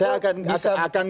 saya akan kirim ke sana